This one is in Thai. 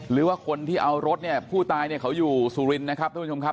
หรือว่าคนที่เอารถเนี่ยผู้ตายเนี่ยเขาอยู่สุรินทร์นะครับท่านผู้ชมครับ